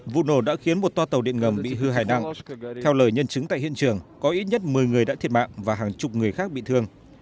vụ nổ đã khiến một toa tàu điện ngầm bị hư hại nặng theo lời nhân chứng tại hiện trường có ít nhất một mươi người đã thiệt mạng và hàng chục người khác bị thương